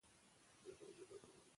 علم د تحلیل ظرفیت زیاتوي.